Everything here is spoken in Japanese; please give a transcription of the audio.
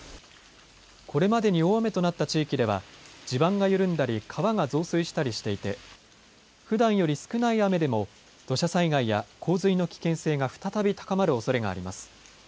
これまでに大雨となった地域では、地盤が緩んだり川が増水したりしていて、ふだんより少ない雨でも土砂災害や洪水の危険性が再び高まるおそれがあります。